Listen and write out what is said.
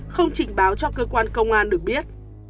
không trình báo cho cơ quan công an được biết